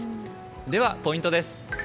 では、ポイントです。